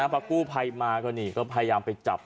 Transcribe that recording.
พอกูภัยมาก็พยายามไปจับ